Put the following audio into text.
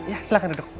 ya silakan duduk